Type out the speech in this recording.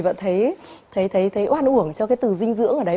và thấy oan uổng cho cái từ dinh dưỡng ở đấy